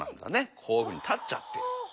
こういうふうに立っちゃってる。